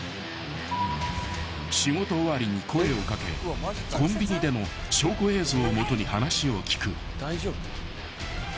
［仕事終わりに声を掛けコンビニでの証拠映像を基に話を聞く］